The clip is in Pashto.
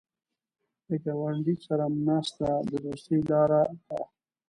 د ګاونډي سره ناسته د دوستۍ لاره ده